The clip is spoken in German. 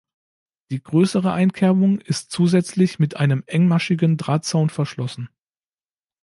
Die größere Einkerbung ist zusätzlich mit einem engmaschigen Drahtzaun verschlossen.